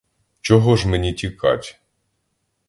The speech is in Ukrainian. Чого ж мені тікать?